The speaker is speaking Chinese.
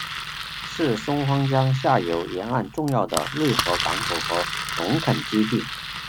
是松花江下游沿岸重要的内河港口和农垦基地。